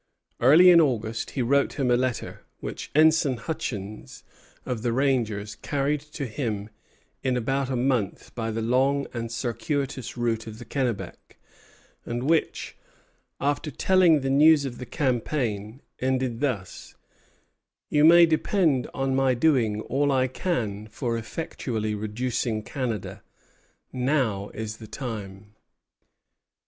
Early in August he wrote him a letter, which Ensign Hutchins, of the rangers, carried to him in about a month by the long and circuitous route of the Kennebec, and which, after telling the news of the campaign, ended thus: "You may depend on my doing all I can for effectually reducing Canada. Now is the time!"